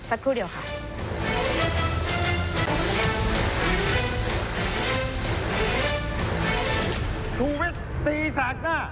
สักครู่เดียวค่ะ